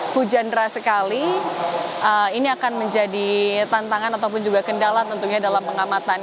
hujan deras sekali ini akan menjadi tantangan ataupun juga kendala tentunya dalam pengamatan